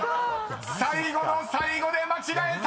［最後の最後で間違えた！］